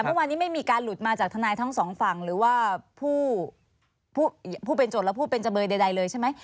เมื่อวานนี้ไม่มีการหลุดมาจากทนายทั้งสองฝั่งหรือว่าผู้เป็นโจทย์และผู้เป็นจำเลยใดเลยใช่ไหม